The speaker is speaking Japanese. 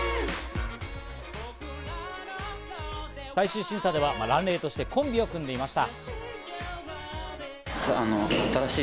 最終審査ではＲａｎＲｅｉとしてコンビを組んでいました。